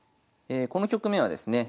この局面はですね